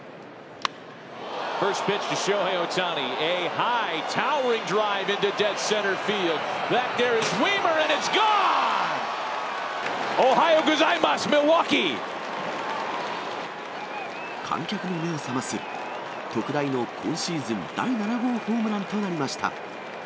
オハヨウゴザイマス、ミルウ観客も目を覚ます、特大の今シーズン第７号ホームランとなりました。